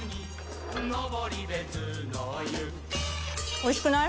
おいしくない？